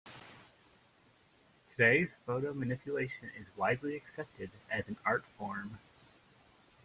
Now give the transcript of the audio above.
Today, photo manipulation is widely accepted as an art form.